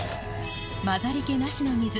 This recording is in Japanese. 混ざり気なしの水